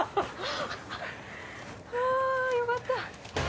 あぁよかった。